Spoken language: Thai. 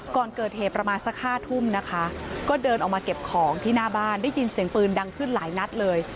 ก่อนเกิดเหตุประมาณสัก๕ทุ่มนะคะก็เดินออกมาเก็บของที่หน้าบ้านได้ยินเสียงปืนดังขึ้นหลายนัดเลย